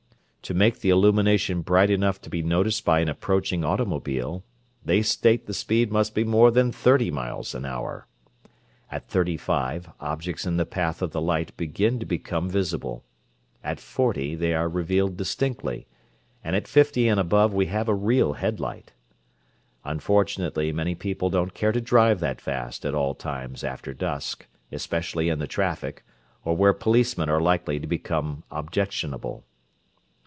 To make the illumination bright enough to be noticed by an approaching automobile, they state the speed must be more than thirty miles an hour. At thirty five, objects in the path of the light begin to become visible; at forty they are revealed distinctly; and at fifty and above we have a real headlight. Unfortunately many people don't care to drive that fast at all times after dusk, especially in the traffic, or where policemen are likely to become objectionable."